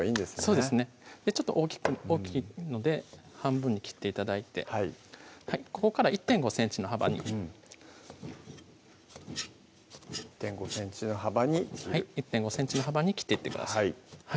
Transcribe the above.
そうですねちょっと大きいので半分に切って頂いてはいここから１．５ｃｍの幅に１．５ｃｍの幅に１．５ｃｍの幅に切っていってください